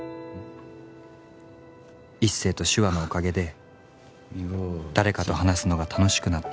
一星と手話のおかげで誰かと話すのが楽しくなった。